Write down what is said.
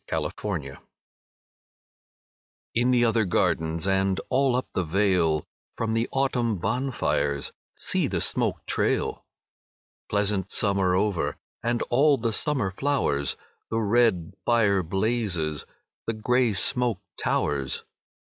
VI Autumn Fires In the other gardens And all up the vale, From the autumn bonfires See the smoke trail! Pleasant summer over And all the summer flowers, The red fire blazes, The grey smoke towers.